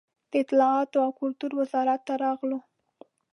د اطلاعات و کلتور وزارت ته راغلو.